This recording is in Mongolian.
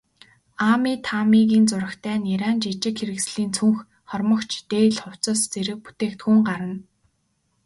Аами, Таамигийн зурагтай нярайн жижиг хэрэгслийн цүнх, хормогч, дээл, хувцас зэрэг бүтээгдэхүүн гарна.